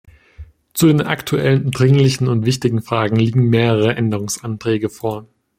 Zu den aktuellen, dringlichen und wichtigen Fragen liegen mehrere Änderungsanträge vor.